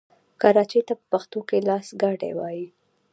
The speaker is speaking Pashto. کراچۍ ته په پښتو کې لاسګاډی وايي.